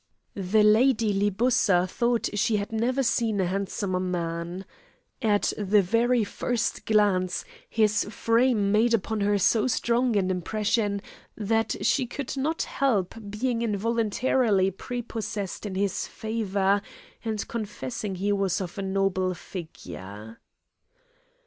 The Lady Libussa thought she had never seen a handsomer man. At the very first glance his frame made upon her so strong an impression that she could not help being involuntarily prepossessed in his favour, and confessing he was of a noble figure.